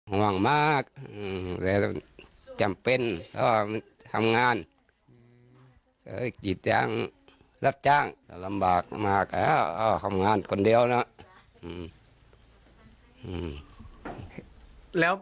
ห่วงมากและจำเป็นทำงานรับจ้างลำบากมากทำงานคนเดียวนะ